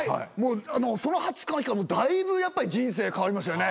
その２０日の日からだいぶやっぱり人生変わりましたよね。